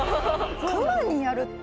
クマにやるって。